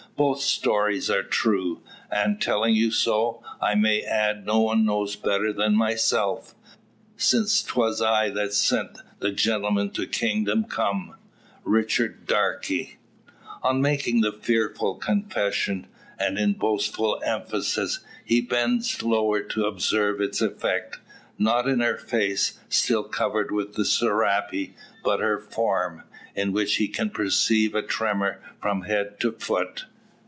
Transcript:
Both stories are true; and, telling you so, I may add, no one knows better than myself; since 'twas I sent the gentleman to kingdom come Richard Darke." On making the fearful confession, and in boastful emphasis, he bends lower to observe its effect. Not in her face, still covered with the serape, but her form, in which he can perceive a tremor from head to foot.